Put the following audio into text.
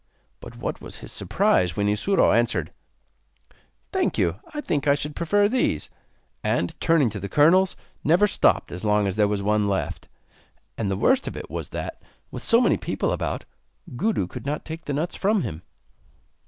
But what was his surprise when Isuro answered: 'Thank you; I think I should prefer these.' And, turning to the kernels, never stopped as long as there was one left. And the worst of it was that, with so many people about, Gudu could not take the nuts from him.